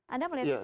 anda melihat itu